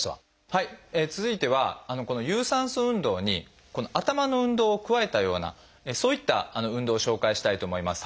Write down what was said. はい続いてはこの有酸素運動に頭の運動を加えたようなそういった運動を紹介したいと思います。